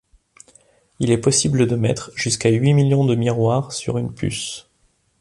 Il est possible de mettre jusqu'à huit millions de miroirs sur une puce.